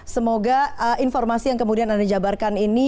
semoga informasi yang kemudian anda jabarkan ini